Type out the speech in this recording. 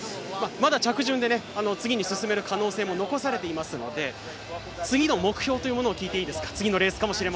まだ着順で次に進める可能性も残されていますので次の目標というのを聞いていいですか。